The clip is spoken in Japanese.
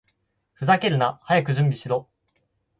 ふざけるな！早く準備しろ！